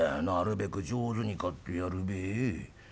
なるべく上手に刈ってやるべえ。